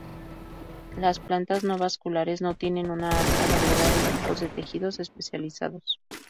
Las plantas no vasculares no tienen una amplia variedad de tipos de tejidos especializados.